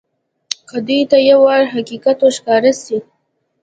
که دوى ته يو وار حقيقت ورښکاره سي.